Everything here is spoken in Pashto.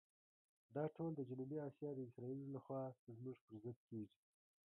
دا ټول د جنوبي آسیا د اسرائیلو لخوا زموږ پر ضد کېږي.